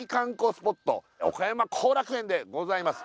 スポット岡山後楽園でございます